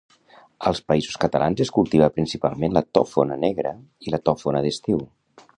Als Països Catalans es cultiva principalment la tòfona negra i la tòfona d'estiu.